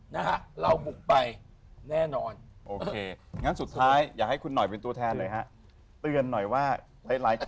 ถ้าเกิดทางรายการจะยังจะจัดให้